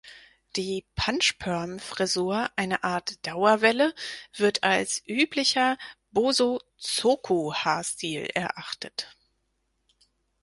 Die „Punch perm“-Frisur, eine Art Dauerwelle, wird als üblicher Bosozoku-Haarstil erachtet.